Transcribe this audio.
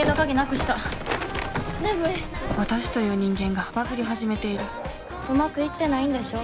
私という人間がバグり始めているうまくいってないんでしょ？